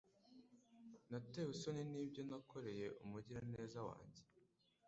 Natewe isoni nibyo nakoreye umugiraneza wanjye.